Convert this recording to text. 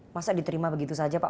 masa diterima begitu saja pak